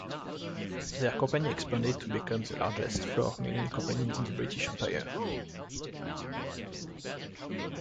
Their company expanded to become the largest flour milling company in the British Empire.